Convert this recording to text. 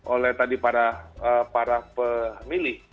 oleh tadi para pemilih